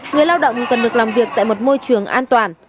người lao động cần được làm việc tại một môi trường an toàn